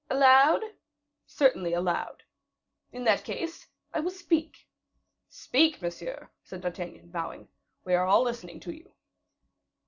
"Aloud?" "Certainly, aloud." "In that case, I will speak." "Speak, monsieur," said D'Artagnan, bowing; "we are all listening to you."